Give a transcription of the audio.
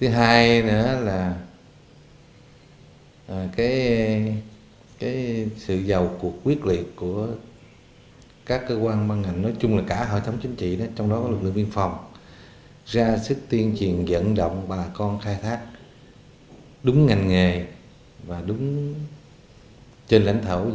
thứ hai nữa là cái sự giàu cuộc quyết liệt của các cơ quan ban ngành nói chung là cả hội thống chính trị đó trong đó có lực lượng viên phòng ra sức tiên triển dẫn động bà con khai thác đúng ngành nghề và đúng trên lãnh thổ